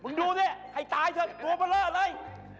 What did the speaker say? มึงดูนี้ให้ตายเถอะตัวเบลออะไร